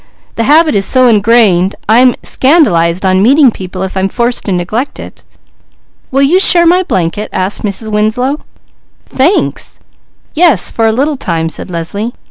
"The habit is so ingrained I am scandalized on meeting people if I'm forced to neglect it." "Will you share my blanket?" asked Mrs. Winslow. "Thanks! Yes, for a little time," said Leslie.